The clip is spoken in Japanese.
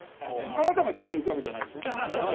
あなたが宙に浮くわけじゃないでしょ？